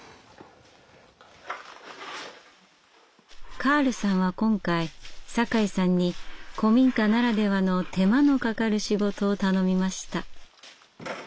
カールさんは今回酒井さんに古民家ならではの手間のかかる仕事を頼みました。